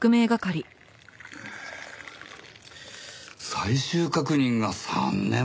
最終確認が３年前か。